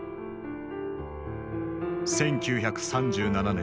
１９３７年。